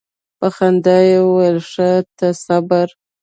په خندا یې وویل ښه ته صبر.